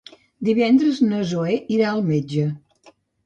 Divendres na Zoè irà al metge.